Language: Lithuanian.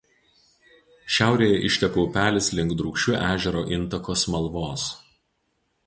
Šiaurėje išteka upelis link Drūkšių ežero intako Smalvos.